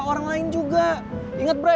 orang lain juga inget bro